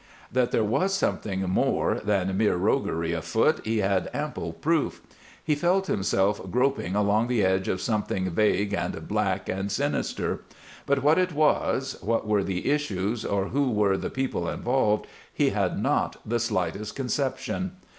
That there was something more than mere roguery afoot he had ample proof. He felt himself groping along the edge of something vague and black and sinister. But what it was, what were the issues, or who were the people involved, he had not the slightest conception.